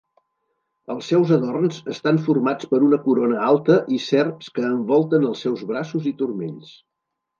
Els seus adorns estan formats per una corona alta i serps que envolten els seus braços i turmells.